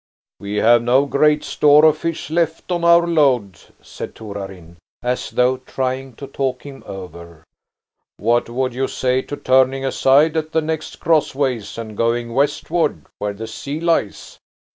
"We have no great store of fish left on our load," said Torarin, as though trying to talk him over. "What would you say to turning aside at the next crossways and going westward where the sea lies?